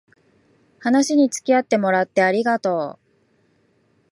話につきあってもらってありがとう